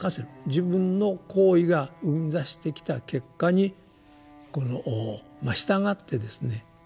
自分の行為が生み出してきた結果にこの従ってですね